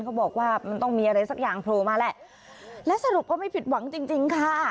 เขาบอกว่ามันต้องมีอะไรสักอย่างโผล่มาแหละและสรุปก็ไม่ผิดหวังจริงจริงค่ะ